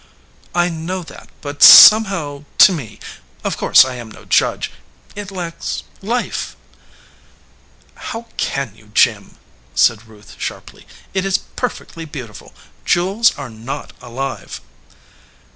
"I know that, but somehow, to me of course I am no judge it lacks life." 273 EDGEWATER PEOPLE "How can you, Jim?" said Ruth, sharply. "It is perfectly beautiful. Jewels are not alive."